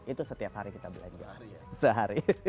itu setiap hari kita belanja sehari